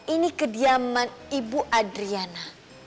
ini kediaman ibu adriana